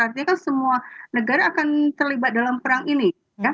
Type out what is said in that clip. artinya kan semua negara akan terlibat dalam perang ini